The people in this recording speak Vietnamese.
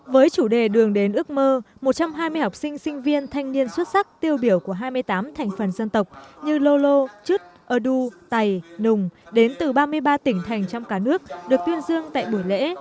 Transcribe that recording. với chủ đề đường đến ước mơ một trăm hai mươi học sinh sinh viên thanh niên xuất sắc tiêu biểu của hai mươi tám thành phần dân tộc như lô lô chứt ơ đu tày nùng đến từ ba mươi ba tỉnh thành trong cả nước được tuyên dương tại buổi lễ